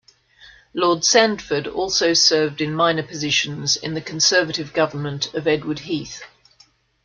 Lord Sandford also served in minor positions in the Conservative government of Edward Heath.